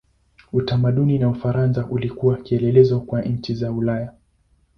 Utamaduni wa Ufaransa ulikuwa kielelezo kwa nchi za Ulaya.